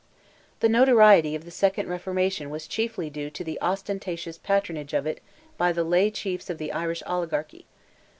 The notoriety of "the Second Reformation" was chiefly due to the ostentatious patronage of it by the lay chiefs of the Irish oligarchy.